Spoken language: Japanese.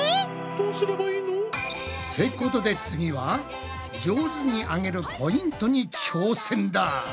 どうすればいいの？ってことで次は上手に揚げるポイントに挑戦だ。